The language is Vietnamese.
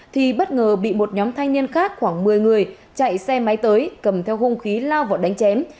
thì bất ngờ bị một nhóm thanh niên khác khoảng một mươi người chạy xe máy tới cầm theo hung khí lao vào đánh chém